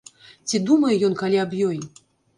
Ці думае ён калі аб ёй?